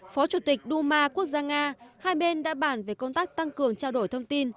phó chủ tịch đu ma quốc gia nga hai bên đã bàn về công tác tăng cường trao đổi thông tin